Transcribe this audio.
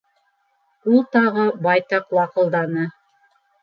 — Ул тағы байтаҡ лаҡылданы.